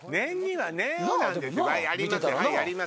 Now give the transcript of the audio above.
はいやります。